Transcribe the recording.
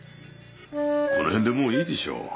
この辺でもういいでしょう。